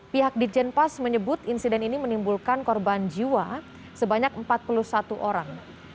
pihak dijenpas menyebut insiden ini menimbulkan korban jiwa sebanyak empat puluh satu orang